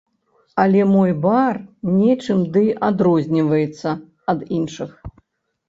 Але мой бар нечым ды адрозніваецца ад іншых.